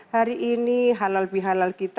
hari ini halal bihalal kita